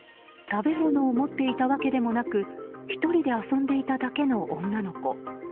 食べ物を持っていたわけでもなく１人で遊んでいただけの女の子。